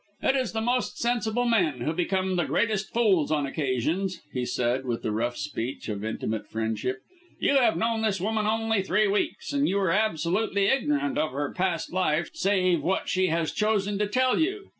"It is the most sensible men who become the greatest fools on occasions," he said, with the rough speech of intimate friendship. "You have known this woman only three weeks, and you are absolutely ignorant of her past life save what she has chosen to tell you.